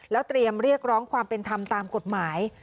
เตรียมเรียกร้องความเป็นธรรมตามกฎหมาย